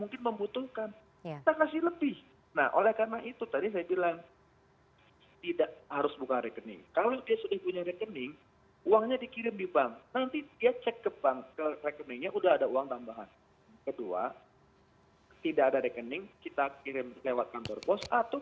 untuk polemik kerumitan birokrasi dalam penyaluran bantuan